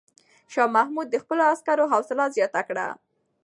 شاه محمود د خپلو عسکرو حوصله زیاته کړه.